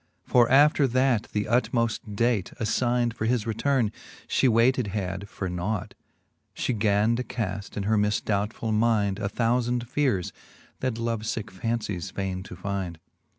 For after that the utmoft date, aflynde For his returne, fhe waited had for nought, She gan to caft in her mifdoubtful mynde A thoufand feares, that love licke fancies faine to fynde, IV.